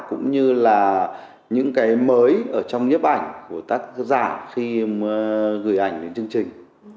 cũng như là những cái mới ở trong nhiếp ảnh của tác giả khi gửi ảnh đến chương trình